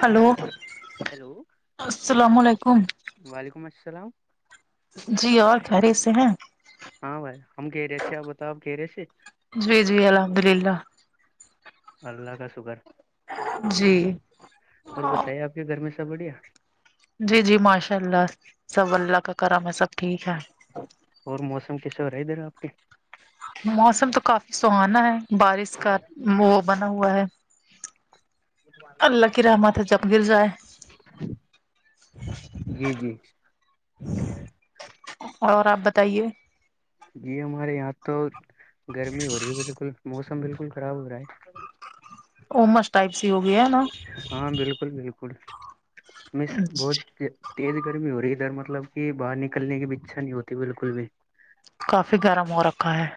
hello hello السلام علیکم وعلیکم السلام جی اور خیریت سے ہیں ہاں بھائی ہم خیریت سے آپ بتاؤ خیریت سے جی جی الحمد للہ اللہ کا شکر جی اور بتائیے آپ کے گھر میں سب بڑھیا جی جی ماشاء اللہ سب اللہ کا کرم سب ٹھیک ہے اور موسم کیسے ہو رہا ہے ادھر آپ کے موسم تو کافی سہانا ہے بارش کا منہ بنا ہوا ہے اللہ کی رحمت ہے جب گر جائے جی جی اور آپ بتائیے جی ہمارے یہاں تو گرمی ہو رہی ہے بالکل موسم بالکل خراب ہو رہا ہے ا مس ائپ س ہو گیا ہے نا ہاں بالکل بالکل مس بہت تیز گرمی ہو رہی ہے ادھر مطلب کہ باہر نکلنے کی بھی اچھا نہیں ہوتی بالکل بھی کافی گرم ہو رکھا ہے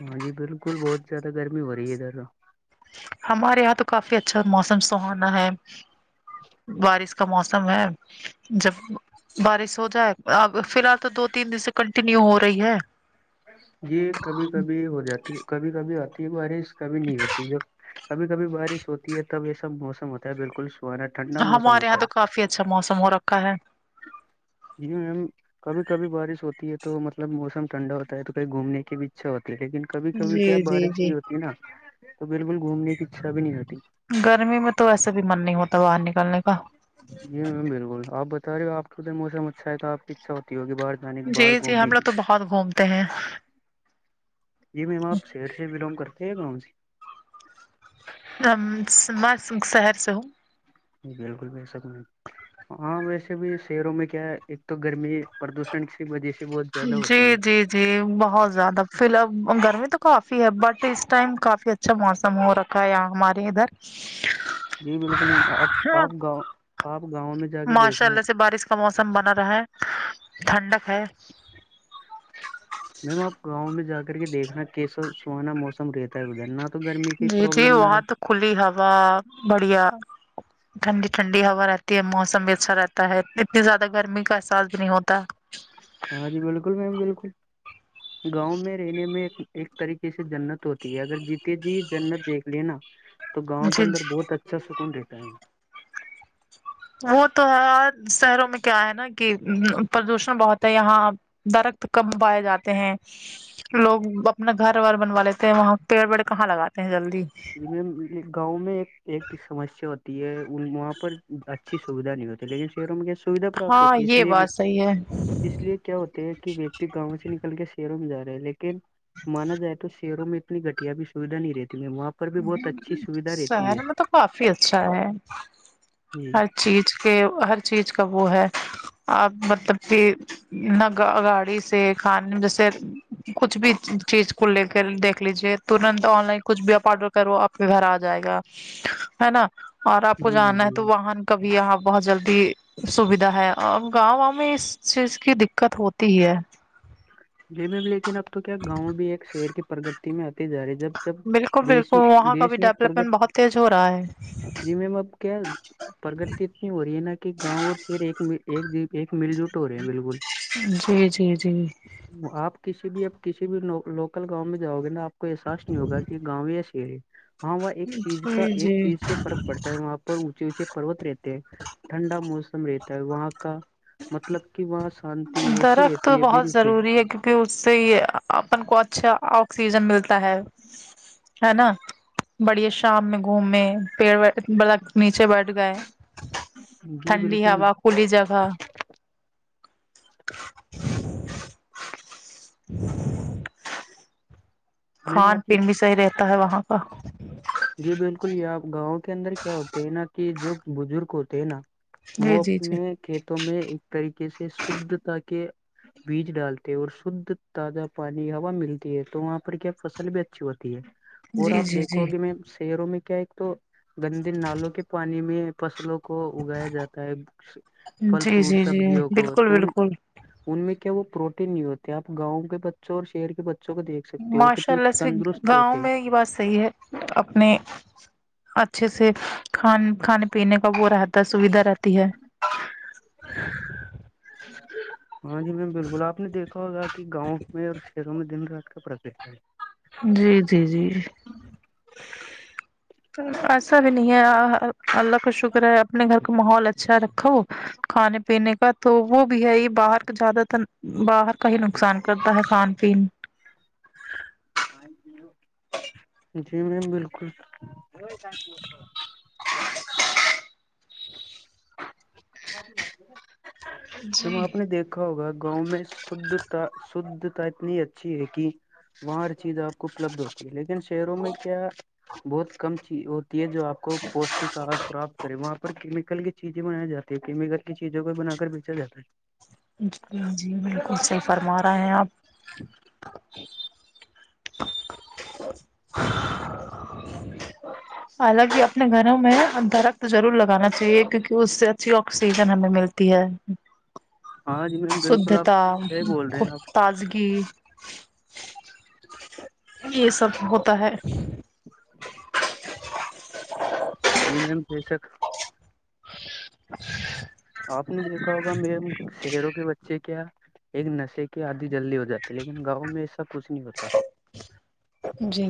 ہاں جی بالکل بہت زیادہ گرمی ہو رہی ہے ادھر ہمارے یہاں تو کافی اچھا موسم سہانا ہے بارش کا موسم ہے جب بارش ہو جائے اب فی الحال تو دو تین دن سے کنٹینیو ہو رہی ہے یہ کبھی کبھی ہو جاتی کبھی کبھی آتی ہے بارش کبھی نہیں ہوتی جب کبھی کبھی بارش ہوتی ہے تب یہ سب موسم ہوتا ہے بالکل سہانا ٹھنڈا موسم ہمارے یہاں ہوتا ہے تو کافی اچھا موسم ہو رکھا ہے جی میم کبھی کبھی بارش ہوتی ہے تو مطلب موسم ٹھنڈا ہوتا تو کہیں گھومنے کی بھی اچھا ہوتی ہے لیکن کبھی کبھی کیا جی جی بارش جی نہیں ہوتی نا تو بالکل گھومنے کی اچھا بھی نہیں ہوتی گرمی میں تو ویسا بھی من نہیں ہوتا باہر نکلنے کا جی میم بالکل آپ بتا رہے ہو آپ کے ادھر موسم اچھا ہے تو آ کی اچھا ہوتی ہوگی باہر جانے کی جی باہر جی گھومنے ہم لوگ کی تو بہت گھومتے ہیں جی میم آپ شہر سے بلانگ کرتے ہیں گاؤں سے ہم ما شہر سے بالکل بھی سب میں ہاں ویسے بھی شہروں میں کیا ہے ایک تو گرمی پردوشن کی وجہ سے بہت جی زیادہ ہوتی جی ہے جی جی بہت زیادہ فی الح گرمی تو کافی ہے بٹ اس ٹائم کافی اچ اچھا موسم ہو رکھا ہے یہاں ہمارے ادھر جی بالکل میم آپ ہاں آپ گاؤں آپ گاؤں میں جا کے ماشاء دیکھنا اللہ سے بارش کا موسم بنا رہا ہے ٹھنڈک ہے میم آپ گاؤں میں جا کر کے دیکھنا کیسا سہانا موسم رہتا ہے ادر ناتھ تو گرمی کا پروبلم نہ کلی ہوا بڑھیا ٹھنڈی ٹھنڈی ہوا رہتی ہے موسم بھی اچھا رہتا ہے اتنی زیادہ گرمی کا احساس نہیں ہوتا ہاں جی بالکل میم بالکل گاؤں میں رہنے میں ایک طریقے سے جنت ہوتی ہے اگر جیتے جی جنت دیکھ لینا تو گاؤں کے جی اندر جی بہت اچھا سکون رہتا ہے وہ تو ہے شہروں میں کیا ہے نا کہ پردوشن بہت ہے یہاں درخت کب پائے جاتے ہیں لوگ اپنا گھر و بنوا لیتے ہیں وہاں پیڑ پیڑ کہاں لگاتے ہیں جلدی گاؤں میں ایک سمسیا ہوتی ہے وہاں پر اچھی سویدھا نہیں ہوتی لیکن شہروں میں کیا سویدھا پراپت ہاں ہوتی ہے اس یہ لیے بھی بات صحیح ہے اس لیے کیا ہوتے ہے کہ ویکتی گاؤں سے نکل کے شہروں میں جا رہے لیکن مانا جائے تو شہروں میں اتنی گھٹیا بھی سویدھا نہیں رہتی میں وہاں پر بھی بہت اچھی سویدھا رہتی ہے شہر میں تو کافی اچھا ہے جی ہ چیز کے ہر چیز کا وہ ہے آپ مطلب کہ گاڑی سے کھانے میں جیسے کچھ بھی چیز کو لے کر دیکھ لیجے ترنت آن لائن کچھ بھی آپ آرڈر کرو آپ کے گھر آ جائے گا ہے نا [unintelligible] اور آپ کو جی میم جانا ہے تو بالکل واہن کبھی آپ بہت جلدی سویدھا ہے اور گاؤں گاؤں میں اس چیز کی دقت ہوتی ہی ہے جی میم لیکن اب تو کیا گاؤں بھی ایک شہر کی پرگت میں آتے جا رہ جب جب بالکل بالکل وہاں کا بھی دیش میں پرگت ڈیولپمنٹ بہت تیز ہو رہا ہے جی میم اب کیا پرگتی اتنی ہو رہی ہے نا کہ گاؤں اور شہر ایک ایک [unintelligible] ایک مل جٹ ہو رہے ہیں بالکل جی جی جی آپ کسی بھی اب کسی بھی لوکل گاؤں میں جاؤ گے نا آپ احساس نہیں ہوگا کہ گاؤں یا شیر ہاں وہ ایک چیز کا جی ایک جی چیز سے فرق پڑتا ہے وہ [unintelligible] وہاں پر اونچے اونچے پ پروت رہتے ہیں ٹھنڈا موسم رہتا ہے وہاں کا مطلب کہ وہاں شانتی ایسی درخت تو رہتی ہے بہت بل ضروری کیونکہ اس سے اپن کو اچھا آکسیجن ملتا ہے [unintelligible] ہے نا بڑے شام میں گھومے پیڑ ب نیچے بیٹھ گئے جی ٹھنڈی بالکل ہا کھلی جگہ [unintelligible] [unintelligible] میم کھان آپ نے پین بھی صحیح رہتا ہے وہاں کا جی بالکل یہ آپ گاؤں کے اندر کیا ہوتے ہیں نا کہ جو بزرگ ہوتے ہیں نا جی وہ جی جی اپنے کھیتوں میں ایک طریقے سے شھتا کے بیج ڈالتے ہیں اور شھ تازہ پانی ہوا ملتی ہے تو وہاں پر کیا فصل بھی اچھی ہوتی ہے اور جی آپ جی دیکھو جی گے میں شہروں میں کیا ایک تو گندے نالوں کے پانی میں فصلوں کو کو اگایا جاتا ہے پھل جی فروٹ جی جی سبزیوں کو بالکل تو بالکل [unintelligible] ان میں کیا وہ پروٹین نہیں ہوتے آپ گاؤں کے بچوں اور شہر کے بچوں کو دھ ماشاء اللہ اس کے گاؤں میں یہ بات صحیح ہے اپنے اچھے سے کھان کھانے پینے کا وہ رہتا سوھا رہتی ہے [unintelligible] ہاں جی میم بالکل آپ نے دیکھا ہوگا کہ گاؤں میں اور شہروں میں دن رات کا پرکیا ہے جی جی جی جی [unintelligible] ایسا بھی نہیں ہے اللہ کا شکر ہے اپنے گھر کا ماحول اچھا کھانے پینے کا تو وہ بھی ہے یہ باہر زیادہ تر باہر کا ہی نقصان کرتا ہے کھان پیین [unintelligible] [unintelligible] جی میم بالکل مم آپ نے دیکھا ہوگا گاؤں میں شھتا شھتا اتنی اچھی ہے کہ وہاں ہر چیز آپ کو اپلبد ہو لیکن شہروں میں کیا بہت کم تھی اور یہ جو آپ کو پوشٹک آہار پراپت کرے وہاں پر کیمکل کی چیزیں بنائی جی ہیں کیمیکل کی چیزوں کو بنا کر بیچا جاتا ہے جی جی بالکل صحیح فرما رہے ہیں آپ [unintelligible] [unintelligible] حالانکہ اپنے گھروں میں درخت ضرور لگانا چاہیے کیونکہ اس سے اچھی آکسیجن ہمیں ملتی تی [unintelligible] شھتا آپ صحیح بول رہے خوب ہیں آپ تازگی یہ سب ہوتا ہے [unintelligible] جی میم سک [unintelligible] آپ نے دیکھا ہوگا میں شہروں کے بچے کیا ایک نشے کے آدی جلدی ہو جاتے لیکن گاؤں میں ایسا کچھ نہیں ہوتا جی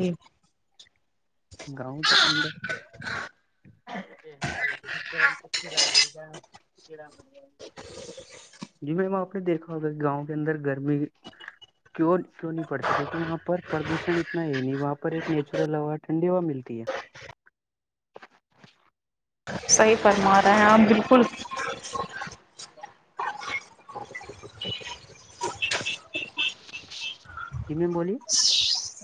گاؤں کے اندر گرم تتی لگی جی میم آپ نے دیکھا ہوگا کہ گاؤں کے اندر گرمی کی کیوں نہیں پڑتی کیہ وہاں پردوشن اتنا ہے نہیں وہاں پر ایک نیچرل آو ٹھڈی ہوا ملتی ہے صحیح فرما رہے ہیں آپ بالکل [unintelligible] میم بولی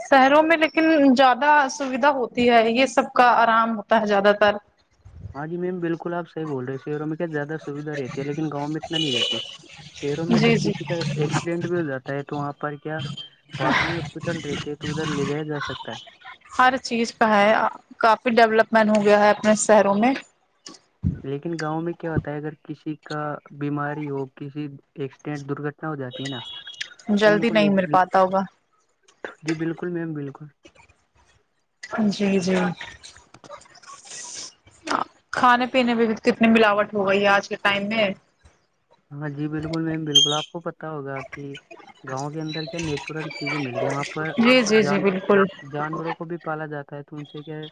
شہروں میں لیکن زیادہ سویدھا ہوتی ہے یہ سب کا آرام ہوتا ہے زیادہ تر [unintelligible] ہاں جی میم بالکل آ صح بول رہے شہر میں کیا زیادہ سویدھا رہتی ہے لیکن گاؤں میں اتنا نہیں رہتی شہروں میں اگر جی جی کسی کا ایکسیڈینٹ بھی ہو جاتا ہے تو وہاں پر کیا پاس میں ہاسپٹل رہتے ہیں تو ادھر لے جیا جا سکتا ہے ہر چیز پہ ہے کافی ڈیولپمنٹ ہو گیا ہے اپنے شہروں میں لیکن گاؤں میں کیا ہوتا ہے اگر کسی کا بیماری ہو کسی ایکسیڈینٹ درگھٹنا ہو جاتی ہے نا تو ان جلدی کو لے نہیں مل پاتا ہوگا جی بالکل میم بالکل جی جی کھانے پینے میں بھی تو کتنی ملاوٹ ہو گئی ہے آج کے ٹائم میں ہاں جی بالکل میم بالکل آپ کو پت ہوگا کہ گاؤں کے اندر کیا نیچرل چیزیں مل رہی وہاں پر جی جی جی جان بالکل جانوروں کو بھی پالا جاتا ہے تو ان سے کیا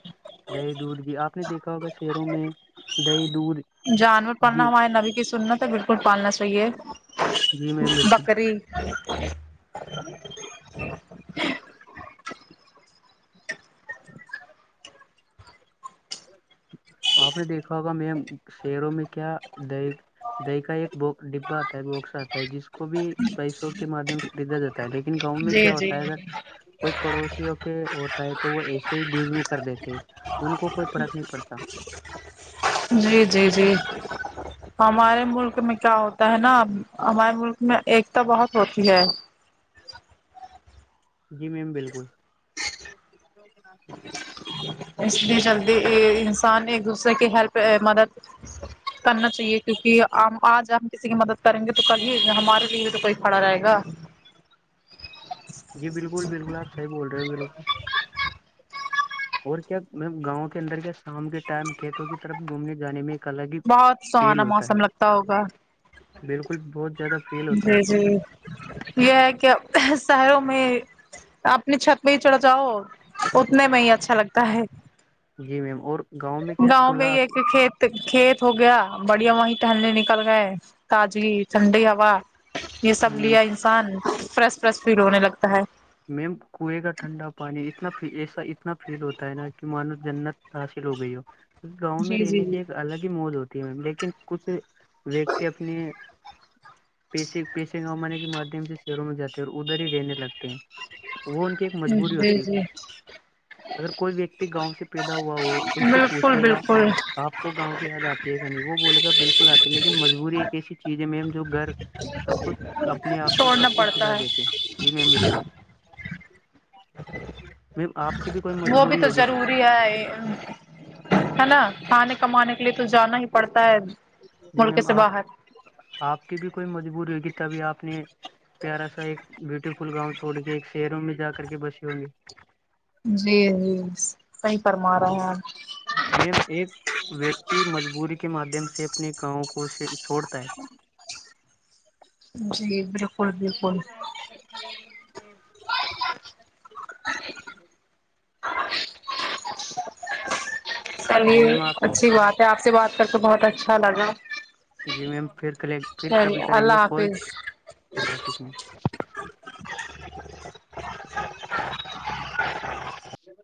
دہی دودھ کی آپ نے دیکھا ہوگا شہروں میں دہی دودھ جانور پالنا جی ہمارے نبی کی سننا تھا بالکل پالنا چاہیے جی بکری [inaudible] جی [inaudible] ہاں آپ نے دیکھا ہوگا میم شہروں میں کیا د دہی کا ایک ڈبا آتا ہے بکس آتا ہے جس کو بھی پیسوں کے مادھیم سے خریدا جاتا ہے لیکن لن گاؤں میں جی کیا جی ہوتا ہے اگر کوئی پڑوسیوں کے ہوتا ہے تو وہ ایسے ہی گیفٹ بھی کر دیتے ان کو کوئی فرق نہیں پڑتا جی جی جی ہمارے ملک میں کیا ہوتا ہے نا ہمارے ملک میں ایکتا بہت ہوتی ہے جی میم بالکل اس کے جلدی انسان ایک دوسرے کی ہیلپ مدد کرنا چاہیے کیونکہ ہم آج ہم کسی کی مدد کریں گے تو کل ہی ہمارے لیے تو کوئی کھڑا رہے گا جی بالکل بالکل آپ صح بول رہے ہو بالکل اور کیا م گاؤں کے اندر کیا شام کے ٹائم کھیتوں کی طرف گھومنے جانے میں الگ ہی بہت فیل سہانا ہوتا موسم لگتا ہوگا ہے بالکل بہت زیادہ فیل ہوتا ہے جی جی یہ ہے کہ شہروں میں اپنی چھت پہ ہی چڑھ جاؤ اتنے میں ہی اچھا لگتا ہے جی میم اور میں کیا گاؤں میں کھلا ہی آس ایک کھیت کھیت ہو گیا بڑیا ویں ٹہنے نکل گئے تازی ٹھنڈی ہا یہ سب میم لیا انسان فریش فریش فیل ہونے لگتا ہے میم کنویں کا ٹھنڈا پانی اتنا ایسا اتنا فیل ہوتا ہے نا کہ مانو جنت حاصل ہو گئی ہو گاؤں میں جی جی رہنے کی ایک الگ ہی موج ہوتی ہے لیکن کچھ ویکتی اپنی پیشے پیشے کمانے کے مادھیم سے شہروں میں جاتے ہیں اور ادھر ہی رہنے لگتے ہیں وہ ان کی ایک جی مجبوری جی ہوتی جی اگر کوئی ویکتی گاؤں سے پیدا ہوا ہو اس سے بالکل پوچھے گا بالکل آ کو گاؤں کی یاد آتی ہے کہنی وہ بولے گا بالکل آتے لیکن مجبوری ایک ایسی چیز ہے میم جو گھر سب کچھ اپنے آپ سے چھوڑنا سب کچھ چھٹا پڑتا ہے دیتے جی میم بالکل آپ کی بھی کوئی وہ بھی مجبوری تو ہوگی ضروری ہے نا کھانے کمانے کے لیے تو جانا ہی پڑتا ہے جی ملک میم سے آپ باہر آپ کی بھی کوئی مجبوری ہوگی تبھی آپ نے پیارا سا ایک بیوٹیفل گاؤں چھڑ کے ایک شہروں میں جا کر کے بسی ہوں گی جی جی صحی فرما رہا ہے آپ میم ایک ویکتی مجبوری کے مادھیم سے اپنے گاؤوں کو سے چھوڑتا ہے جی بالکل بالکل ا چل ہے جی یہ میم آپ سے اچھی بات ہے آپ سے بات کر کے بہت اچھا لگا جی میم پھر کلیک پھر کبھی چلیے کریں گے اللہ کال حافظ خد آفظ میں ج